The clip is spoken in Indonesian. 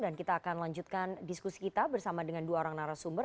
dan kita akan lanjutkan diskusi kita bersama dengan dua orang narasumber